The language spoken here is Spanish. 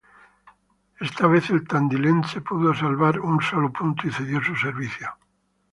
Esta vez, el tandilense pudo salvar un solo punto y cedió su servicio.